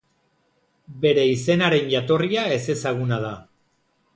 Bere izenaren jatorria ezezaguna da.